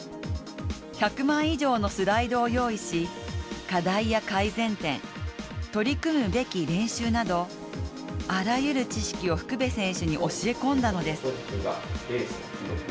１００枚以上のスライドを用意し課題や改善点、取り組むべき練習などあらゆる知識を福部選手に教え込んだのです。